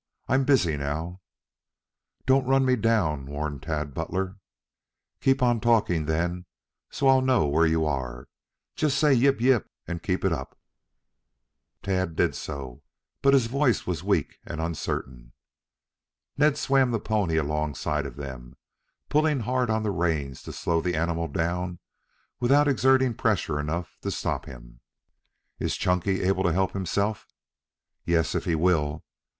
I'm busy now." "Don't run me down," warned Tad Butler. "Keep talking then, so I'll know where you are. Just say yip yip and keep it up." Tad did so, but his voice was weak and uncertain. Ned swam the pony alongside of them, pulling hard on the reins to slow the animal down without exerting pressure enough to stop him. "Is Chunky able to help himself?" "Yes, if he will."